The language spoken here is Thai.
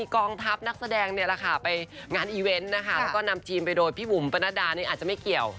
ก็นำจีมไปโดยของพี่บุ่มบรรณดนนี้อาจจะไม่เกี่ยว